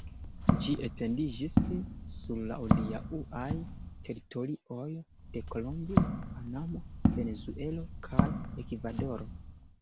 Ĝi etendiĝis sur la hodiaŭaj teritorioj de Kolombio, Panamo, Venezuelo kaj Ekvadoro.